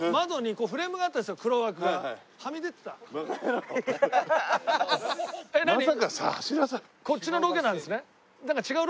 こっちのロケなんですね？